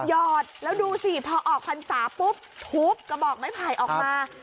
หอดแล้วดูสิพอออกพรรษาปุ๊บทุบกระบอกไม้ไผ่ออกมา